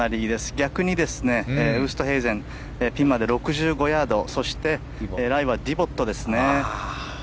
逆にウーストヘイゼンピンまで６５ヤードライはディボットですね。